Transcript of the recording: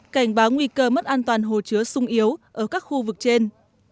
cảnh báo nguy cơ mất an toàn hồ chứa sung yếu ở các khu vực trên